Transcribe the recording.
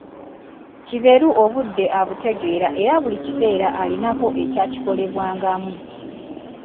Kiberu obudde abutegeera era buli kiseera alinako ekyakikolebwangamu.